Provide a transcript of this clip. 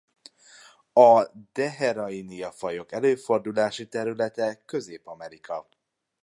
A Deherainia-fajok előfordulási területe Közép-Amerika.